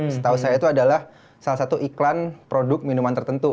setahu saya itu adalah salah satu iklan produk minuman tertentu